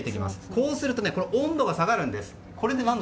こうすると温度が下がるんです。